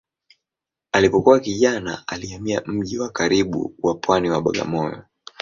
Alipokuwa kijana alihamia mji wa karibu wa pwani wa Bagamoyo.